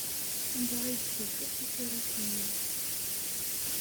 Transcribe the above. Anda ay d-tufiḍ tasarut-nni?